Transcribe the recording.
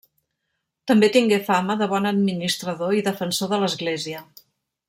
També tingué fama de bon administrador i defensor de l’Església.